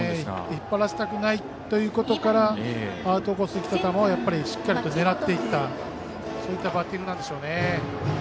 引っ張らせたくないということからアウトコースに来た球をしっかりと狙っていったそういったバッティングなんでしょうね。